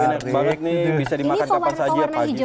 ini pewarna hijaunya dari daun suji